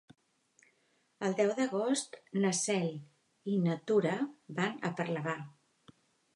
El deu d'agost na Cel i na Tura van a Parlavà.